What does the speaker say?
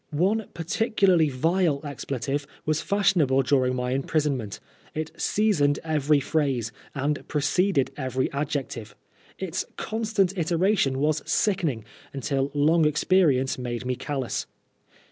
One particularly vile expletive was fashionable during my imprisonment ; it seasoned every phrase, and preceded every adjective. Its constant iteration was sickening, until long experience made me callous.